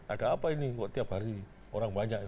ada apa ini kok tiap hari orang banyak